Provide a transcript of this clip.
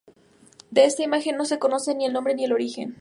De esta imagen no se conoce ni el nombre ni el origen.